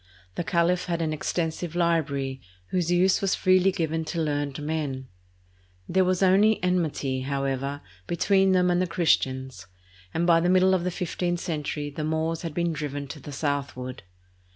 The caliph had an extensive library, whose use was freely given to learned men. There was only enmity, however, between them and the Christians, and by the middle of the fifteenth century the Moors had been driven to the southward.